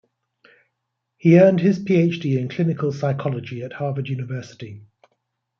He earned his Ph.D. in clinical psychology at Harvard University.